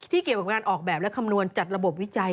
เกี่ยวกับการออกแบบและคำนวณจัดระบบวิจัย